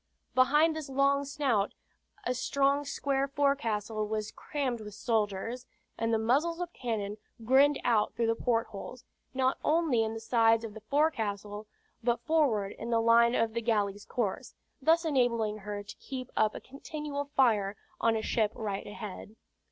Behind this long snout, a strong square forecastle was crammed with soldiers, and the muzzles of cannon grinned out through port holes, not only in the sides of the forecastle, but forward in the line of the galley's course, thus enabling her to keep up a continual fire on a ship right ahead.